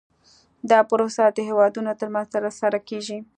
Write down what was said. دا پروسه د هیوادونو ترمنځ ترسره کیږي